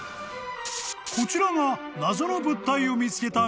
［こちらが謎の物体を見つけた］